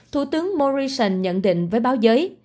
thủ tướng morrison nhận định với báo giới